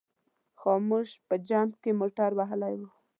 خاموش په جمپ کې موټر وهلی و.